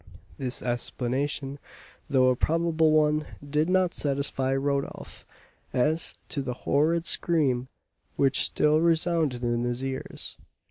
This explanation, though a probable one, did not satisfy Rodolph as to the horrid scream which still resounded in his ears.